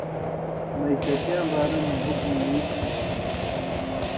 معیشتیاں بارہ مہ حُکمہ ای تھہ۔